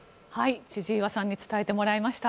千々岩さんに伝えてもらいました。